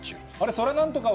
そらなんとかは？